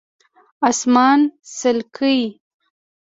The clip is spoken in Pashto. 🦇 اسمان څلکي